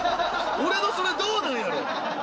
俺のそれ、どうなんやろう。